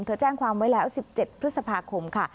แจ้งความไว้แล้ว๑๗พฤษภาคมค่ะ